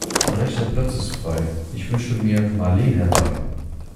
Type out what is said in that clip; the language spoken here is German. Mein rechter Platz ist frei, ich wünsche mir Marleen herbei.